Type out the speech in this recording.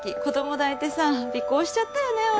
子ども抱いてさ尾行しちゃったよね